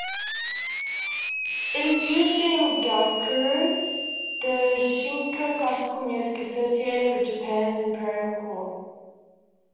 It is used in gagaku, the Shinto classical music associated with Japan's imperial court.